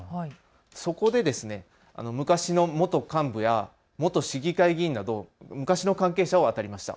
そこで昔の元幹部や元市議会議員など昔の関係者をあたりました。